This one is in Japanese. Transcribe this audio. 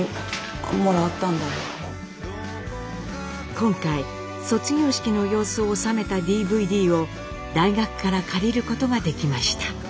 今回卒業式の様子を収めたＤＶＤを大学から借りることができました。